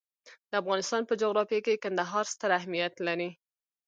د افغانستان په جغرافیه کې کندهار ستر اهمیت لري.